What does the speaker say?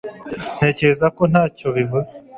Ntekereza ko ntacyo bivuze